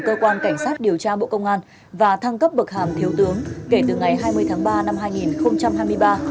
cơ quan cảnh sát điều tra bộ công an và thăng cấp bậc hàm thiếu tướng kể từ ngày hai mươi tháng ba năm hai nghìn hai mươi ba